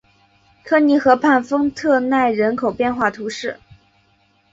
科尼河畔丰特奈人口变化图示